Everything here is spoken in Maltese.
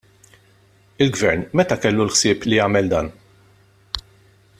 Il-Gvern, meta kellu l-ħsieb li jagħmel dan?